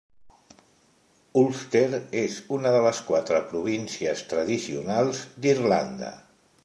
Ulster és una de les quatre províncies tradicionals d'Irlanda.